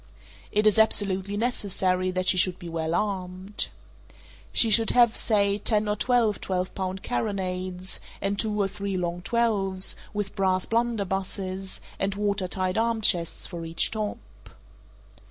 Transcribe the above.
It is absolutely necessary that she should be well armed. She should have, say ten or twelve twelve pound carronades, and two or three long twelves, with brass blunderbusses, and water tight arm chests for each top.